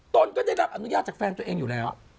ตนก็ได้รับอนุญาตจากแฟนตัวเองอยู่แล้ว